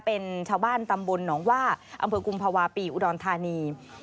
เป็นชาวบ้านตำบลหนองว่าอำเภอกุมภาวะปีอุดรธานี